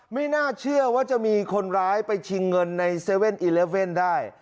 ไม่น่าเชื่อว่าจะมีคนร้ายไปชิงเงินใน๗๑๑ได้